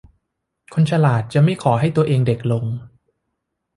คนฉลาดจะไม่ขอให้ตัวเองเด็กลง